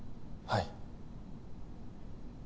はい。